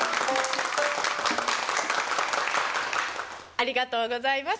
ありがとうございます。